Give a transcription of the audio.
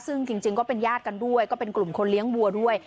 ซึ่งจริงก็เป็นญาติกันด้วยก็เป็นกลุ่มคนเลี้ยงวัวด้วย